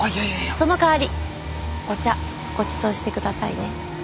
その代わりお茶ごちそうしてくださいね。